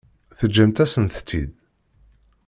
Teǧǧamt-asent-t-id?